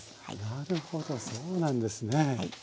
なるほどそうなんですね。